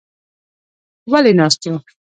_ولې ناست يو؟